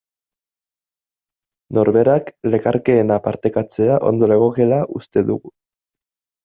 Norberak lekarkeena partekatzea ondo legokeela uste dugu.